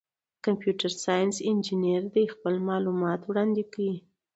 د کمپیوټر ساینس انجینر دي خپل معلومات وړاندي کي.